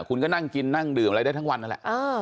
คุณก็นั่งกินนั่งดื่มอะไรได้ทั้งวันนั่นแหละ